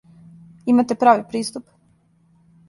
Имате прави приступ.